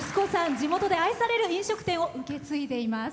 地元で愛される飲食店を受け継いでいます。